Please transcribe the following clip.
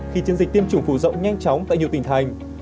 khi chiến dịch tiêm chủng phủ rộng nhanh chóng tại nhiều tỉnh thành